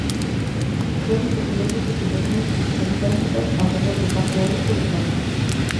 Seguen sucedéndose situacións esperpénticas arredor do parque eólico de Corme.